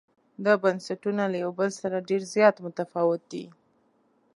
دا بنسټونه له یو بل سره ډېر زیات متفاوت دي.